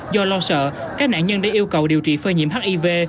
do lo sợ các nạn nhân đã yêu cầu điều trị phơi nhiễm hiv